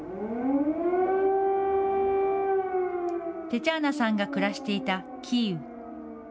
テチャーナさんが暮らしていたキーウ。